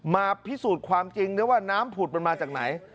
มาพิสูจน์ความจริงได้ว่าน้ำผุดมันมาจากไหน